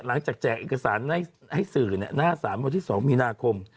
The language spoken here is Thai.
หลังจากแจกเอกสารให้สื่อเนี่ยหน้า๓วันที่๒มีนาคม